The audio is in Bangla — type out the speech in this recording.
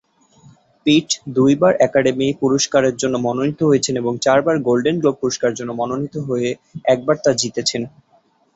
পিট দুইবার একাডেমি পুরস্কারের জন্য মনোনীত হয়েছেন, এবং চারবার গোল্ডেন গ্লোব পুরস্কারের জন্য মনোনীত হয়ে একবার তা জিতেছেন।